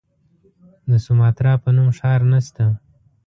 د سوماټرا په نوم ښار نسته.